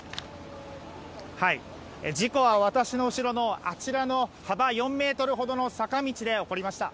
事故は私の後ろのあちらの幅４ｍほどの坂道で起こりました。